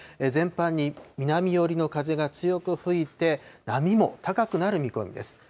全般に南寄りの風が強く吹いて、波も高くなる見込みです。